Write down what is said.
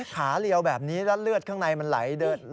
ขาเรียวแบบนี้แล้วเลือดข้างในมันไหล